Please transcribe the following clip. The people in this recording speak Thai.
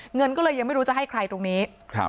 เงินก็เลยยังไม่รู้จะให้ใครตรงนี้